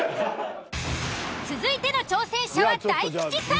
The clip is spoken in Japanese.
続いての挑戦者は大吉さん。